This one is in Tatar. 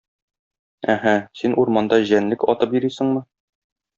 Әһә, син урманда җәнлек атып йөрисеңме?